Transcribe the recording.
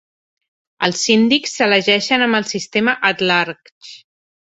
Els síndics s'elegeixen amb el sistema "at large".